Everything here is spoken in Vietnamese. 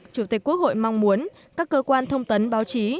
chủ tịch quốc hội mong muốn các cơ quan thông tấn báo chí